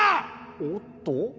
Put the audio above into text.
おっとぉ。